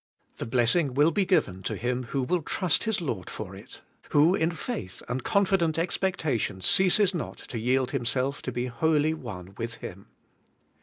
The blessing will be given to him who will trust his Lord for it, who in faith and confident expectation ceases not to yield himself to be wholly one with Him.